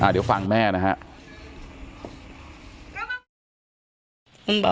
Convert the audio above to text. เดี๋ยวฟังแม่นะครับ